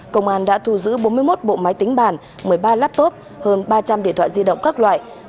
công an đã thu giữ bốn mươi một bộ máy tính bàn một mươi ba laptop hơn ba trăm linh điện thoại di động các loại